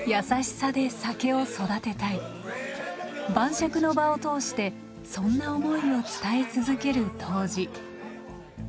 晩酌の場を通してそんな思いを伝え続ける杜氏。